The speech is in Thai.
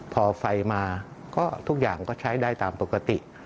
พอไฟมาก็ทุกอย่างก็ใช้ได้ตามปกติ